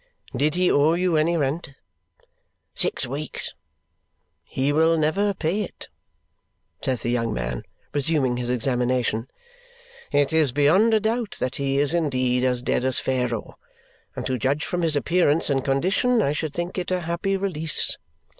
"Did he owe you any rent?" "Six weeks." "He will never pay it!" says the young man, resuming his examination. "It is beyond a doubt that he is indeed as dead as Pharaoh; and to judge from his appearance and condition, I should think it a happy release.